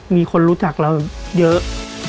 มีคนรู้จักเราเยอะ